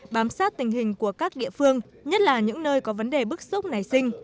bám sát tình hình của các địa phương nhất là những nơi có vấn đề bức xúc nảy sinh